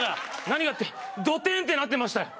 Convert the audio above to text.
何がってドテンってなってましたよ